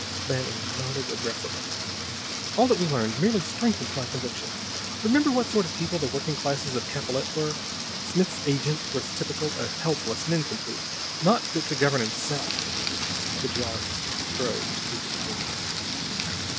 Van Emmon nodded aggressively. "All that we learned merely strenthens my conviction. Remember what sort of people the working classes of Capellette were? Smith's 'agent' was typical a helpless nincompoop, not fit to govern himself!" The geologist strove to keep his patience.